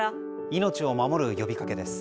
命を守る呼びかけです。